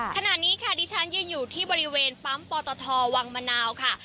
ขณะนี้ค่ะดิฉันยืนอยู่ที่บริเวณปั๊มปตทวังมะนาวค่ะ